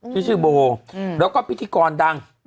ที่ชื่อโบโหลแล้วก็พิธีกรดัง